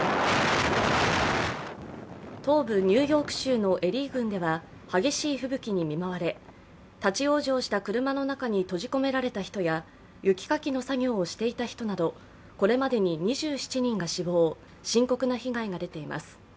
東部ニューヨーク州のエリー郡では激しい吹雪に見舞われ立往生した車の中に閉じ込められた人や雪かきの作業をしていた人などこれまでに２７人が死亡、深刻な被害が出ています。